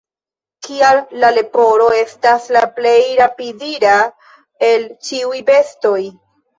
Kial la leporo estas la plej rapidira el ĉiuj bestoj?